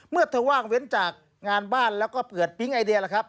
เมื่อเธอว่างเว้นจากงานบ้านแล้วก็เปรียบว่าภัทรัพย์ไอเดีย